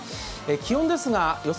気温ですが予想